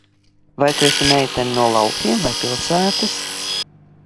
Vai tu esi meitene no laukiem vai pilsētas?